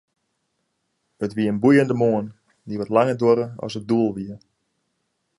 It wie in boeiende moarn, dy't wat langer duorre as it doel wie.